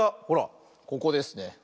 ほらここですね。